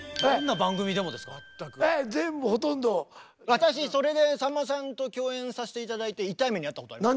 私それでさんまさんと共演させて頂いて痛い目に遭ったことあります。